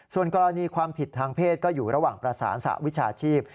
ส่วนกรณีความผิดทางเพศก็อยู่ระหว่างประสานสหวิชาชีพ